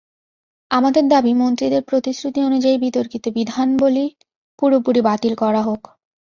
আমাদের দাবি, মন্ত্রীদের প্রতিশ্রুতি অনুযায়ী বিতর্কিত বিধানাবলি পুরোপুরি বাতিল করা হোক।